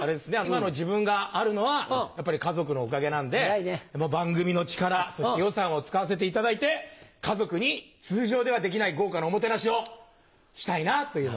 今の自分があるのはやっぱり家族のおかげなんで番組の力そして予算を使わせていただいて家族に通常ではできない豪華なおもてなしをしたいなと。